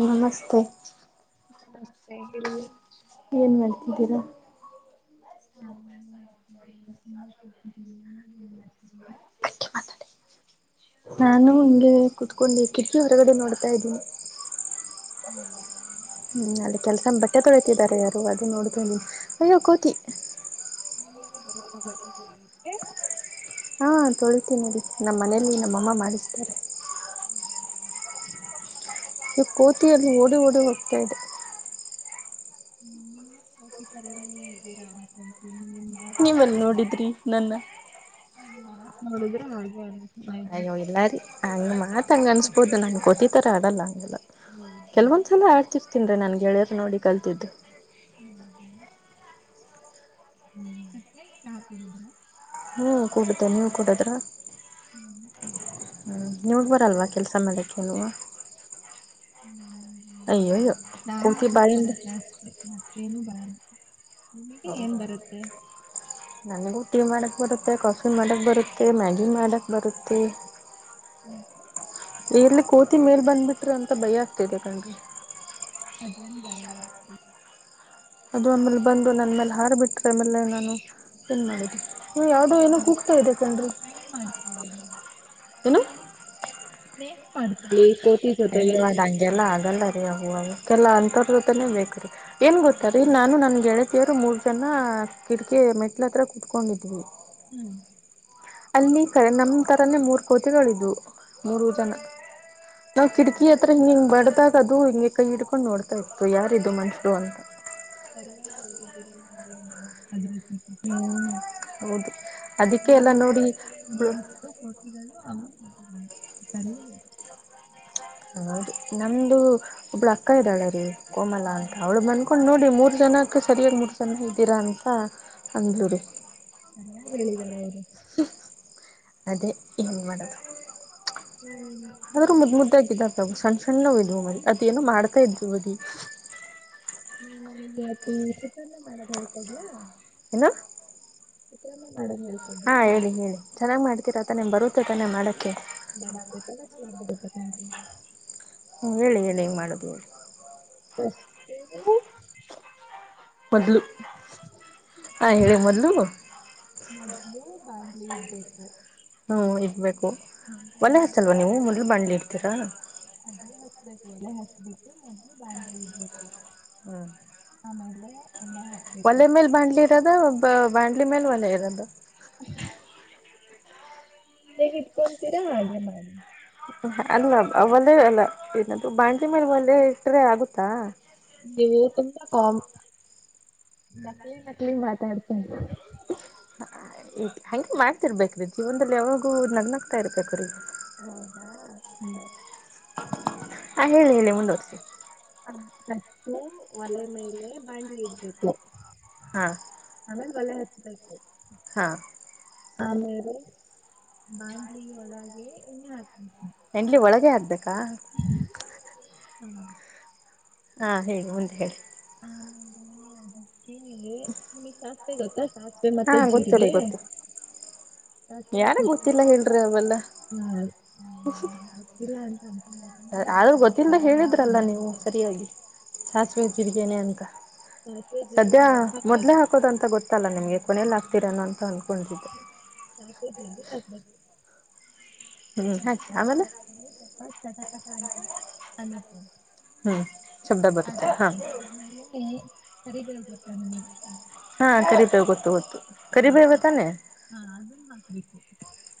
ನಮಸ್ತೆ. ನಮಸ್ತೆ ಹೇಳಿ. ಏನ ಮಾಡ್ತಿದ್ದೀರಾ. [inaudible] ನಾನು ಹಿಂಗೆ ಕುತ್ಕೊಂಡೆ ಕಿಟಕಿ ಹೊರಗಡೆ ನೋಡ್ತಾ ಇದೀನಿ. ಹೌ ಹ್ಮ ಅಲ್ಲಿ ಕೆಲಸ ಬಟ್ಟೆ ತೊಳತಿದ್ದಾರೆ ಯಾರು ಅದು ನೋಡ್ತಿನೀ ಅಯ್ಯೋ ಕೋತಿ. ನಿಮ್ಗೆ ಬರ್ತಾ ಬಟ್ಟೆ ತೊಳಿಯೋಕೆ. ಹಾ ತೊಳಿತೀನಿರಿ ನಮ್ಮ ಮನೆಯಲ್ಲಿ ನಮ್ಮಮ್ಮ ಮಾಡಿಸ್ತಾರೆ. [inaudible] ಈ ಕೋತಿಯಲ್ಲಿ ಓಡಿ ಓಡಿ ಹೋಗ್ತಾ ಇದೆ. ಹೂ ಕೋತಿ ತರಾನೇ ಇದ್ದೀರಾ ಅನ್ಕೊಂತೀನಿ ನಿಮ. ನೀವೆಲ್ ನೋಡಿದ್ರಿ ನನ್ನ. ನಿಮ್ಮ ಮಾತ ನೋಡಿದ್ರೆ ಹಾಗೆ ಅನೀ ಅಯ್ಯೋ ಇಲ್ಲಾರಿ ಹಂಗ ಮಾತ್ಂಗ ಅನ್ಸ್ಬೋದು ನಾನ್ ಕೋತಿತರ ಆಡಲ್ಲ ಹಂಗೆಲ್ಲ. ಕೆಲವೊಂದ್ಸಲ ಆಡ್ತಿರ್ತನ್ ರೀ ನನ್ ಗೆಳಿಯರ್ ನೋಡಿ ಕಲ್ತಿದ್ದು. ಹ್ಮ್ ಹ್ಮ್. [unintelligible] ಹ್ಮ್ ಕೂಡುತ್ತೇ ನೀವ ಕೂಡದ್ರ. ಹ್ಮ್ ಹ್ಮ್. ಹ್ಮ್ ನಿಮಗ ಬರಲ್ವಾ ಕೆಲ್ಸ ಮಾಡಕ್ಕೆನುವ. ನಮಗೆ ಅಯ್ಯಯ್ಯೋ ಚಾ ಕೂತಿ ಮಾಡಕ್ ಬಾಯಿಂದ ಬರತ್ತ ಅಷ್ಟೆ ಮತ್ತೇನು ಬರಲ್ಲಾ. ಹೌದಾ. ನನಗೂ ಟಿ ಮಾಡಕ್ ಬರುತ್ತೆ ಕಾಫಿ ಮಾಡಕ್ ಬರುತ್ತೆ ಮ್ಯಾಗಿ ಮಾಡಕ್ ಬರುತ್ತೆ. ಮತ್ತೆ. ಎಲ್ಲಿ ಕೋತಿ ಮೇಲ್ ಬಂದ್ಬಿಟ್ರರು ಅಂತ ಭಯ ಆಗ್ತಿದೆ ಕಣ್ರಿ. ಅದೇನ್ ಬರಲ್ಲ ಅದು ಆಮೇಲೆ ಬಂದು ನನ್ನ ಮೇಲೆ ಹಾರಬಿಟ್ಟರೆೆ ಆಮೇಲೆ ನಾನು ಏನು ಮಾಡಿದ್ದನಿ ಏನ ಆಗಲ್ಲ ಫ್ರೆಂಡ್ ಮಾಡ್ಕೊಳಿ ಏನು ಸ್ನೇಹ ಮಾಡ ಅಯ್ಯ ಅದ ಹಂಗೆಲ್ಲ ಆಗಲ್ಲ ರೀ ಅವ ಕೆಲ ಅಂಂತರ ಜೊತೆನೆೇ ಬೇಕ್ರೀ ಏನ್ ಗೊತ್ತಾರೀ. ನಾನು ನನ್ ಗೆಳತಿಯರು ಮೂರ್ ಜನ ಕಿಟಕಿ ಮೆಟ್ಲ ಹತ್ರ ಕುತ್ಕೊಂಡಿದ್ವಿ. ಹ್ಮ್. ಅಲ್ಲಿ ಕರೆ ನಮ ತರನೇ ಮೂರ್ ಕೋತಿಗಳಿದವು ಮೂರು ಜನ ನಾವು ಕಿಟಕಿಯ ಆತ್ರ ಹಿಂಗ ಹಿಂಗ ಬಡದಾಗ ಅದು ಹಿಂಗ ಕೈ ಇಡ್ಕೊಂಡು ನೋಡ್ತಾ ಇತ್ತು ಯಾರ ಇದು ಮನುಷರು ಅಂತ. ಸರಿಯಾಗಿ ಹೇಳಿದ್ದ ನೋಡಿ ಅದ್ರ ಹ್ಮ್ ಹೌದು ಅದಕ್ಕೆ ಎಲ್ಲ ನೋಡಿ ಒಳ [inaudible] ಹೌದರಿ ನಮ್ದು ಒಬ್ಳ ಅಕ್ಕ ಇದ್ದಾಳ ರೀ ಕೋಮಲ ಅಂತ ಅವ್ಳ ಬಂದ್ ಕಕೊಂಡು ನೋಡಿ ಮೂರ್ ಜನಕ್ಕೆ ಸರಿಯಾಗಿ ಮೂರ್ ಜನ ಇದ್ದೀರಾ ಅಂತ ಅಂದ್ಳುರಿ. ಸರಿಯಾಗ ಹೇಳಿದ್ದಾರೆ ಅವರು. ಅದೇ ಏನ ಮಾಡೋದು. ಆದ್ರೂ ಮುದ್ [inaudible] ಮುದ್ದಾಗಿದ್ದಾವವು ಸಣ್ಣ ಸಣ್ಣ ಇದ್ವು ಮರಿ ಅದೇನೋ ಮಾಡ್ತಾ ಇದ್ವಿ ಮರಿ. ನಾನ ನಿಮಿಗೆ ಇಗ ಚಿತ್ರಾನ್ನ ಮಾಡದ ಹೇಳ್ಕೊಡ್ಲಾ. ಏನು. ಚಿತ್ರಾನ್ನ ಮಾಡೋದು ಹೇಳ್. ಹಾ ಹೇಳಿ ಹೇಳಿ ಚೆನ್ನಾಗ ಮಾಡ್ತೀರಾತಾನೇ ಬರುತ್ತೆ ತಾನೆ ಮಾಡಕ್ಕೆ. ಬರತ್ತೆ ತುಂಬಾ ಚೆನ್ನಾಗಿ ಬರುತ್ತೆ ನಂಗೆ. ಹು ಹೇಳಿ ಹೇಳಿ ಹೆಗ ಮಾಡೋದು ಹೇಳಿ. ಫಸ್ಟು ಮೊದ್ಲು ಹಾ ಹೇಳಿ ಮೊದ್ಲು. ಮೊದ್ಲು ಬಾಂಡ್ಲಿ ಇಡಬೆಕು. ಹು ಇಡಬೇಕು ವಲೆ ಹಚ್ಚವ್ವಾ ನೀವು ಮೊದ್ಲು ಬಾಂಡ್ಲಿ ಇಡರ್ತೀರಾ. ಅದೆ ಹಚ್ಬೇಕು ಒಲೆ ಹಚ್ಬೇಕು ಮೊದ್ಲು ಬಾಂಡ್ಲಿ ಇಡ್ಬೇಕು. ಹು ಆಮ್ಯಾಲೆ. ಒಲೆ ಮೇಲ ಬಾಂಡ್ಲಿ ಇಡೊದಾ ಬಾಂಡ್ಲಿ ಮೇಲ ಒಲೆ ಇಡೊದಾ. ಹೇಗ ಇಟ್ಕೊಂತೀರಾ ಹಾಗೆ ಮಾಡಿ. ಅಲ್ಲ ಒಲೆ ಅಲ್ಲ ಬಾಣಡ್ಲಿ ಮೇಲೆ ಒಲೆ ಇಟ್ರೆ ಆಗುತ್ತಾ. ನೀ ತು ಕ ನಕಲಿ ನಕಲಿ ಮಾತಾಡತ್ತಾರೆ. ಐಯ್ ಹಂಗೆ ಮಾಡ್ತಿರ್ಬೇಕ್ರೀ ಜೀವನದಲ್ಲಿ ಯಾವಾಗೂ ನಗನಗ್ತಾ ಇರ್ಬೇಕ್ರೀ. ಹೌದಾ ಸರಿ. ಹಾ ಹೇಳಿ ಹೇಳಿ ಮುಂದುವಡ್ಸಿ. ಆ ಪಷ್ಟು ಒಲೆ ಮೇಲೆ ಬಾಣ್ಲಿ ಇಡ್ಬೇಕು. ಹಾ ಆಮೇಲೆ ಒಲೆ ಹಚ್ಬಕು. ಹಾ ಆಮೇಲೆ ಬಾಂಡ್ಲಿ ಒಳಗೆ ಎಣ್ಣೆ ಹಾಕಬೇಕು. ಹೆಂಡ್ಲಿ ಒಳಗೆ ಆಗ್ಬೇಕಾ. ಹು ಹಾ ಹಾ ಹೇಳಿ ಮುಂದ ಹೇಳಿ. ಆಮೇಲೆ ಅದಕ್ಕೇಗೆ ಉಳಿತಾ. ಸಿಗುತ್ತಾ ಸಾಸಿವೆ ಹಾ ಮತ್ತೆ ಗೊತ್ತು ಜೀರಿಗೆ. ರೀ ಗೊತ್ತು ಸಾಸಿವೆ ಮತ್ತೆ ಯಾರಿಗ್ ಗೊತ್ತಿಲ್ಲ ಜೀರಿಗೆ ಹೇಳ್ರಿ ಅವೆಲ್ಲ ಇಲ್ಲಾಳ ಗೊತ್ತಿಲ್ಲಾ ಅಂತಾಅನ್ಕೊಂಡೆ. ಆದ್ರೂ ಗೊತ್ತಿದ್ಲ ಹೇಳಿದ್ರಲ್ಲ ನೀವು ಸರಿಯಾಗಿ ಸಾಸಿವೆ ಜಿರ್ಗೇನೆ ಅಂತ. ಸದ್ಯ ಮೊದ್ಲೆ ಹಾಕೋದ ಅಂತ ಗೊತ್ತಲ್ಲ ನಿಮ್ಗೆ ಕೊನಲಿ ಆಕ್ತೀರೆನೋ ಅಂತ ಅನ್ಕೊಂಡಿವಿ. ಸಾಸಿವೆ ಜೀರಿಗೆ ಹಾಕಬೇಕು ಹ್ಮ್ ಹಾಕಿ ಅದನ್ನ ಆಮೇಲೆ ಹಾಕದ್ಮೇಲೆ. ವ ಚಟಾಪಟಾ ಅಂತ ಅನ್ನಬೇಕು. ಹ್ಮ್ ಶಬ್ದ ಬರುತ್ತೆ ಹಾ ಅದಾದ್ಮೇಲೆ ಕರಿಬೇವು ಗೊತ್ತಾ ನಿಮಗೆ. ಹಾ ಕರಿಬೇವು ಗೊತ್ತು ಗೊತ್ತು. ಹಾ ಕರಿಬೇವ ಅದ್ ತಾನೆ ಹಾ ಅದನ್ನು ಹಾಕ್ಬೇಕು.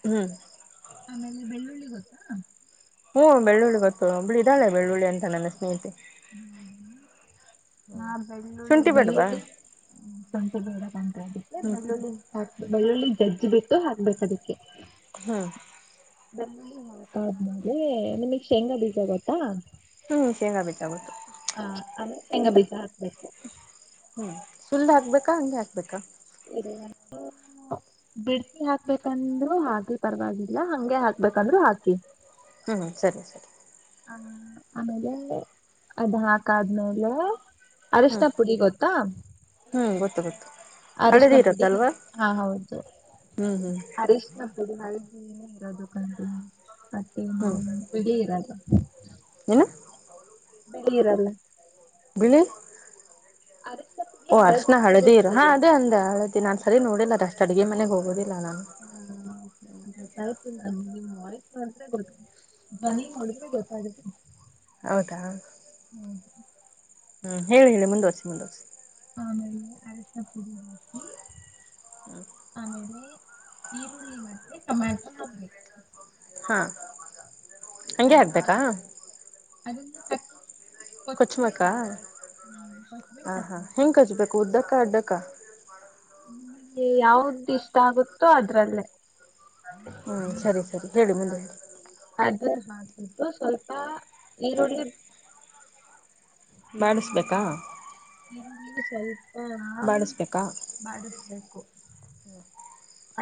ಹ್ಮ್ ಆಮೇಲೆ ಬೆಳ್ಳುಳ್ಳಿ ಗೊತ್ತಾ. ಹು ಬೆಳ್ಳುಳ್ಳಿ ಗೊತ್ತು ಒಬ್ಬಳು ಇದಾಳೆ ಬೆಳ್ಳುಳ್ಳಿ ಅಂತ ನನ್ನ ಸ್ನೇಹಿತೆ. ಹು ಹು ಹಾ ಬೆಳ್ಳುಳ್ಳಿ ಶುಂಠಿ ಬೇಡ್ವಾ ಬೆಳ್ಳುಳ್ಳಿ ಸೊಂಟಿ ನಿರಾಗೆ ಹಾಕ್ತಾರೆ ಅದಕ್ಕೆ ಹ್ಮ್ ಬೆುಳ್ಳುಳ್ಳಿ. ಬೆಳ್ಳುಳ್ಳಿ ಜಜ್ಜಿ ಬಿಟ್ಟು ಹಾಕ್ಬೇಕು ಅದಕ್ಕೆ. ಹು ಬೆಳ್ಳುಳ್ಳಿ ಹಾಕದದ್ಮೇಲೆ ನಿಮಗ ಶೇಂಗಾ ಬೀಜ ಗೊತ್ತಾ. ಹ್ಮ್ ಶೇಂಗಾ ಬೇಕಾಗುತ್ತ. ಹ ಅದೇ ಶೇಂಗಾ ಬೀಜ ಹಾಕ್ಬೇಕು. ಹ್ಮ್ ಸುಲ್ದ ಹಾಕ್ಬೇಕಾ ಹಂಗೆ ಹಾಕ್ಬೇಕಾ. [unintelligible] ಬಿಡ್ಸಿ ಹಾಕ್ಬೇಕಂದ್ರರು ಹಾಕರಿ ಪರವಾಗಿಲ್ಲ ಹಂಗೆ ಹಾಕ್ಬೇಕಂದ್ರು ಹಾಕಿ. ಹ್ಞ ಸರಿ ಸರಿ. ಹ ಆಮೇಲೆ ಅದ್ ಹಾಕ್ ಆದ್ಮೇಲೆ. ಆರ್ಶಿಣ ಪುಡಿ ಗೊತ್ತಾ. ಹ್ಮ್ ಗೊತ್ತು ಗೊತ್ತು. ಅರಶಣ ಹಳದಿ ಪುಡಿ ಇರತ್ತಲ್ವಾ ಹಾ ಹೌದು ಹ್ಮ್ ಹ್ಮ್ ಅರಿಶ್ಣ. ಅದು ನಲ್ಗೆ ಏನೇ ಇರೋದು ಕಂಡ ಅತ್ತ ಹ್ಮ. ಬಿಳಿ ಇರದು. ಏನು. ಬಿಳಿ ಇರಲ್ಲ. ಬಿಳಿ. [inaudible] ಓ ಅರ್ಶನ ಹಳದಿರು ಹಾ ಅದೇ ಅಂದೆ ಹಳದಿ ನಾನ್ ಸರಿ ನೋಡಿಲ್ಲ ರ ಅಷ್ಟಟ್ ಅಡುಗೆ ಮನೆಗ್ ಹೋಗೋದಿಲ್ಲ ನಾನು. [inaudible] [unintelligible] ನೋಡಿದ್ರೆ ಗೊತ್ತಾಗುತ್ತೆ. ಹೌದಾ. ಹ್ಮ್. ಹ್ಮ್ ಹೇಳಿ ಹೇಳಿ ಮುಂದುವರಿಸಿ ಮುಂದುವರಿಸಿ. ಆಮೇಲಿಯ ಅರಸಾ ಪುಡಿ ಹಾಕಿ. ಆಮೇಲೆ ಈರುಳ್ಳಿ ಮತ್ತೆ ಟೊಮ್ಯಾಟೊ ಹಾಕ್ಗ್ಬೇಕು. ಹಾ. ಹಂಗೆ ಅದು. ಹಾಕ್ಬೇಕಾ [inaudible] ಕೊಚ್ಬೇಕಾ ಹ [inaudible] ಹಾ ಹೆಂಗ್ ಕಚ್ಬೇಕು ಉದ್ದಕ್ಕ ಅಡ್ಡಕ್ಕ. ನಿಗೆ ಯಾವ್ದ ಇಷ್ಟ ಆಗುತ್ತೋ ಅದ್ರಲ್ಲೇ. ಹಾ ಸರಿ ಸರಿ ಹೇಳಿ ಮುಂದೆ. ಅದನ್ನ ಹಾಕ್ಬಿಟ್ಟು ಸ್ವಲ್ಪ ಈರುಳ್ಳಗೆ ಬಾಡಸಬೇಕಾ. ನೀ ಸ್ವಲ್ಪಾ ಆ ಬಾಡಿಸ್ಬೇಕಾ ಮಾಡಿಸ್ಬೇಕು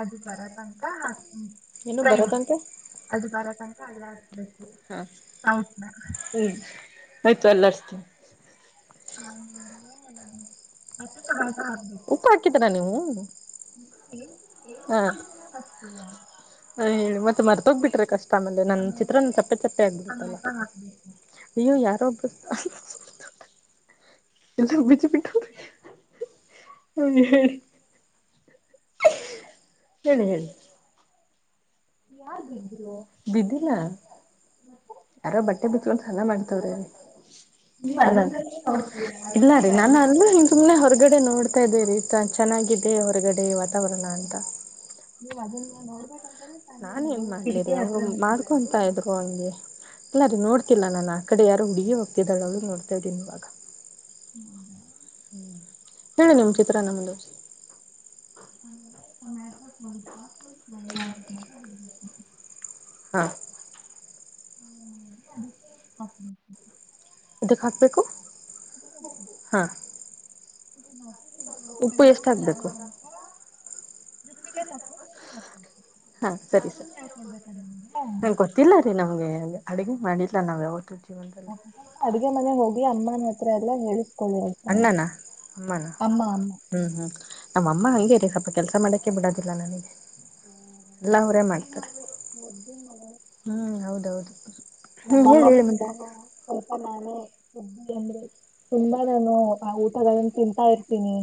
ಅದು ಬರ ತನಕ. ಏನು ಬರೋ ತನಕಾ. ಅದು ಬರ ತನಕ ಅ ಹಾ ಹ್ಮ ಆಯ್ತು. [unintelligible] ಉಪ್ಪು ಹಾಕಿದೀರಾ ನೀವು [inaudible] ಹಲೋ. ಹಾ ಹ ಅಯ್ಯ್ ಮತ್ತೆ ಮರ್ತೋಗ್ಬಿಟ್ರೆ ಕಷ್ಟ ಆಮೇಲೆ ನನ್ನ ಚಿತ್ರನ್ನ ಚಪ್ಪೆ ಚಪ್ಪೆ ಆಗ್ಬಿಡತ್ತಲ್ಲ ಅಯ್ಯೊ ಯಾರೊ ಒಬ್ಬರು [unintelligible] ಹೇಳಿ ಹೇಳಿ. ಯಾರ್ ಬಿದ್ರು. ಬಿದ್ದಿಲ್ಲ ಯಾರೋ ಬಟ್ಟೆ ಬಿಚ್ಗೊಂಡು ಸ್ನಾನ ಮಾಡ್ತವ್ರೆ ಅಲ್ಲ ಇಲ್ಲ ರೀ ನಾನ ಅಲ್ಲ್ ಸುಮ್ಮನೆ ಹೊರಗಡೆ ನೋಡ್ತಾ ಇದೇ ರೀ ಚೆನ್ನಾಗಿದೆ ಹೊರಗಡೆ ವಾತಾವರಣ ಅಂತ. ನೀವು ಅದುನ್ನ ನೋಡ್ಬೇಕು ಅಂತ್ ನಾನ್ ಏನ್ ಮಾಡ್ಲಿ ರೀ ಅವು ಮಾಡ್ಕೊಂತ ಇದ್ರು ಹಂಗೆ. ಇಲ್ಲ ರೀ ನೋಡ್ತಿಲ್ಲಾ ನಾನು ಆ ಕಡೆ ಯಾರು ಹುಡುಗಿ ಹೋಗ್ತಿದ್ದಾಳೆ ಅವಳನ ನೋಡ್ತಾ ಇದ್ದೀನಿ ಇವಾಗ. ಹ್ಮ್ ಹ್ಮ್ ನಮ್ ಚಿತ್ರಾನ್ನ ಮಾಡಿರಿ. ಆಮೇಲೆ ಟೊಮ್ಯಾಟೊ [unintelligible] ಹಾ ಹ್ಮ್ ಅದಕ್ಕೆ [unintelligible] ಇದಕ್ಕೆ ಹಾಕ್ಬೇಕ್ ಹಾ ಮಾಡ [unintelligible] ಉಪ್ಪು ಎಷ್ಟು ಹಾಕ್ಬೇಕು. ಅವ ದೃಷ್ಟಿಗೆ [unintelligible] ಹಾ ಸರಿ ಸರಿ ಇದುನ್ನೂ ಹೇಳಿಕೊಡಬೇಕ ನಿಮಗೆ ಹ ಗೊತ್ತಿಲ್ಲ ರೀ ನಮ್ಗೆ ಅಡುಗೆ ಮಾಡಿಲ್ಲ ನಾವ್ ಯಾವತ್ತೂ. ಜೀವನದಲ್ಲಿ ಅಡುಗೆ ಮನೆಗೆ ಹೋಗಿ ಅಮ್ಮನ ಹತ್ರ ಎಲ್ಲಾ ಹೇಳ್ಸ್ ಕೊಲೆ ಹಾಯತ್ತ ಅಣ್ಣನ ಅಮ್ಮನ ಅಮ್ಮ ಅಮ್ಮ ಹ್ಮ್ ಹ್ಮ್ ನಮ್ಮಮ್ಮ ಹಂಗೇ ರೀ ಸ್ವಲ್ಪ ಕೆಲಸ ಮಾಡಕ್ಕೆೆ ಬಿಡೋದಿಲ್ಲ ನನಗೆ. ಎಲ್ಲಾ ಅವರೇ ಮಾಡ್ತಾರೆ [unintelligible] ಹ್ಮ್ ಹೌದೌದು ನಮ್ಮ ಹ್ಮ್ ಹೇಳಿ ಅಮ್ಮ ಹೇಳಿ ಜೊತೆ ಮುಂದೆ ನಾನು ಸ್ವಲ್ಪ ನಾನೇ ಬುದ್ದಿ ಅಂದ್ರೆ ತುಂಬಾ ನಾನು ಆ ಊಟಗಳನ್ನು ತಿಂತ ಇರ್ತೀನಿ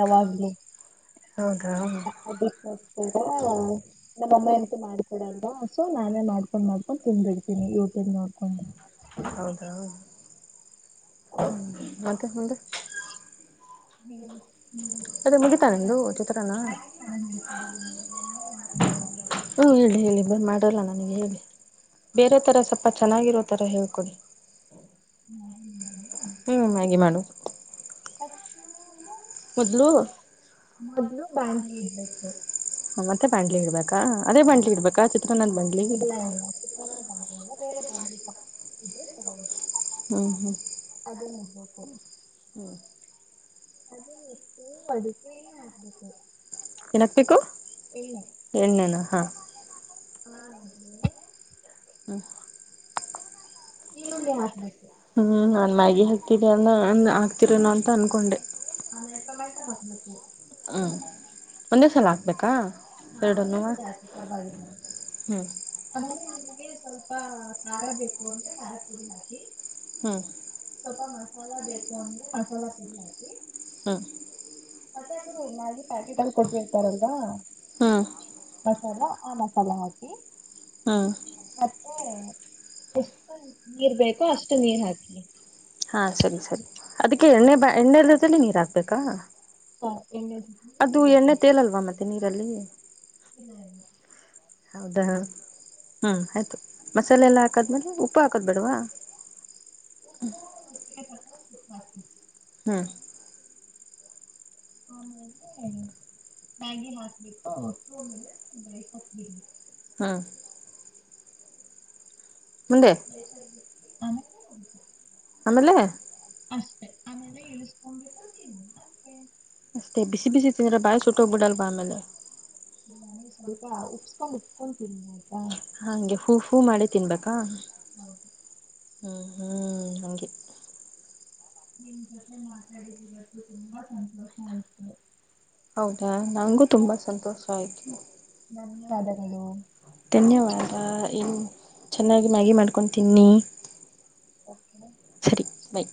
ಯಾವಾಗ್ಲೂ. ಹೌದಾ ಅದಕ್ [unintelligible] ನಮ್ಮಮ್ಮ ಅಂತ ಮಾಡ್ಕೊಡಲ್ವಾ ಸೊ ನಾನೇ ಮಾಡ್ಕೊಂಡ್ ಮಾಡ್ಕೊಂಡು ತಿಂದಬಿಡ್ತೀನಿ ಯೂ ಟೂಬ್ ನೋಡಕೊಂಡು. ಹೌದಾ ಮತ್ತೆ ಮುಂದೆ. ಹ್ಮ್ ಅದೇ ಮುಗಿತಾ ನಿಂದು ಚಿತ್ರಾನ್ನ. [unintelligible] ಹ್ಮ್ ಹೇಳಿ ಹೇಳಿ ಬನ್ ಮಾಡಲ್ಲ ನನಗೆ ಹೇಳಿ ಬೇರೆ ಥರ ಸ್ವಲ್ಪ ಚೆನ್ನಾಗಿರೋ ತರ ಹೇಳ್ಕೊಡಿ. ಹ್ಮ್ ಹ್ಮ್ ಹ್ಮ್ ಮ್ಯಾಗಿ ಮಾಡಿರು [unintelligible] ಮೊದಲು ಮೊದ್ಲು ಬ್ಯಾಂಡ್ಲಿ ಇಡ್ಬೇಕು. ಮತ್ತೆ ಬಾಣಂಡ್ಲಿ ಇಡ್ಬೇಕಾ ಅದೇ ಬಾಂಡ್ಲಿ ಇಡ್ಬೇಕಾ ಚಿತ್ರಾನ್ನಂದ್ ಬಾಂಡ್ಲಿ ಚಿತ್ರಾನ್ನ ಬಾಂಡ್ಲಿ ಅಲ್ಲ ಬೇರೆ ಬಾಂಡ್ಲಿ ಇದ್ರೆ ತಗೋಳಿ. ಹ್ಮ್ ಹ್ಮ್ ಅದು ನೋಡ್ಬೇಕು. ಹ್ಮ ಅದುನ್ನ ಇಟ್ಟು ಅದಿಕೆ ಆಗ್ಬೇಕು ಏನ್ ಹಾಕ್ಬೇಕು ಏಣ ಎಣ್ಣೆನ ಹಾ [unintelligible] ಹ್ಮ ಈರುಳ್ಳಿ ಹಾಕ್ಬೇಕು ಹ್ಮ್ ನಾನ್ ಮ್ಯಾಗಿ ಹಾಕ್ತಿದ ಅಲ್ಲ ಆಗ್ತಿರೇನ ಅಂತ ಅನ್ಕೊಂಡೆ ಆಮೇಲೆ ಇನ್ಕಮ್ ಬಂದ ಬಿಡತೀನಿ ಹ್ಮ [inaudible] ಒಂದೇ ಸಲ ಹಾಕ್ಬೇಕಾ [unintelligible] ಒಂದೇ ಎರಡನ್ನೂ ಸಾಲ ಹಾಕಿ ಪರವಾಗಿಲ್ಲ ಹ್ಮ್ ಮೇಲೆ ನಿಮಗೆ ಸ್ವಲ್ಪ ಕಾರ ಬೇಕು ಅಂದ್ರೆ ಕಾರದ್ ಪುಡಿ ಹಾಕಿ [inaudible] ಸ್ವಲ್ಪ ಮಸಾಲ ಬೇಕು ಅಂದ್ರೆ ಮಸಾಲಾ ಪುಡಿ ಹಾಕ [inaudible] ಅಸಾದರು ಮ್ಯಾಗಿ ಪ್ಯಾಕೆಟ್ ಅಲ್ಲಿ ಕೊಟ್ಟಿರ್ತಾರಲ್ವಾ? ಹಾ [inaudible] ಮಸಾಲ ಆ ಮಸಾಲೆ ಹಾಕಿ. ಹಾ ಮತ್ತೆ ಎಷ್ಟು ನೀರ ಬೇಕೋ ಅಷ್ಟು ನೀರ ಹಾಕಿ ಹಾ ಸರಿ ಸರಿ ಅದಕ್ಕೆ ಎಣ್ಣೆ ಬ ಎಣ್ಣೆ ಇಲ್ಲದದಲ್ಲಿ ನೀರ ಹಾಕ್ಬೇಕಾ ಒಹ್ ಎಂಗಜ ಅದು ಎಣ್ಣೆ [unintelligible] ತೇಲಲ್ವಾ ಮತ್ತೆ ನೀರಲ್ಲಿ ಹ್ಮ ಹೌದಾ [inaudible] ಹ್ಮ್ ಆಯ್ತು ಮಸಾಲೆ ಎಲ್ಲ ಹಾಕದ್ಮೇಲೆ ಉಪ್ಪು ಹಾಕೋದ್ಬೇಡವಾ? [unintelligible] [unintelligible] ಹಾ [unintelligible] ಮ್ಯಾಗಿ ಮಾಡಬಿಟ್ಟು ಹಾ ಮುಂದೆ [unintelligible] ಆಮೇಲೆ ಅಷ್ಟೇ ಆಮೇಲೆ ಇಳಿಸಕೊಂಡಬಿಟ್ಟ ತಿಂದ ಅಷ್ಟೇ ಬಿಸಿ ಬಿಸಿ ತಿಂದ್ರ ಬಾಯಿ ಸುಟ್ಟ ಹೋಗ್ ಬಿಡಲ್ವಾ ಆಮೇಲೆ. ನಾನ ಸ್ವಲ್ಪ ಉಪ್ಸ್ಕೊಂಡ ಉಪ್ಪಸ್ಕೊಂಡ್ ತಿನ್ನಿ ಆಯ್ತಾ ಹಂಗೆ ಹೂ ಹೂ ಮಾಡಿ ತಿನ್ಬೇಕಾ? ಹ್ಮ ಹಾ ಹಾ ಹಂಗೆ ನಿಮ್ಮ ಜೊತೆ ಮಾತಾಡಿದ್ದ ಇವತ್ತ ತುಂಬಾ ಸಂತೋಷ ಅಯಿತು. ಹೌದಾ ನಂಗು ತುಂಬಾ ಸಂತೋಷ ಆಯ್ತು. ಧನ್ಯವಾದಗಳು. ಧನ್ಯವಾದ ಇನ್ನ ಚೆನ್ನಾಗಿ ಮ್ಯಾಗಿ ಮಾಡ್ಕೊಂಡು ತಿನ್ನಿ. ಓಕೆ ಬಾಯ